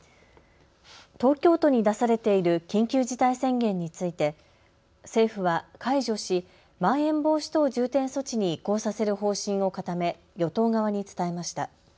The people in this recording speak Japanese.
東京都に出されている緊急事態宣言について政府は解除しまん延防止等重点措置に移行させる方針を固め、与党側に伝えました。